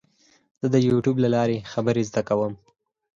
زه د یوټیوب له لارې خبرې زده کوم.